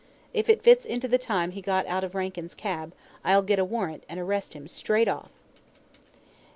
If it fits into the time he got out of Rankin's cab, I'll get out a warrant, and arrest him straight off."